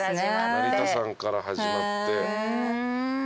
成田山から始まって。